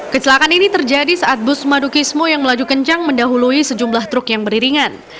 kecelakaan ini terjadi saat bus madukismo yang melaju kencang mendahului sejumlah truk yang beriringan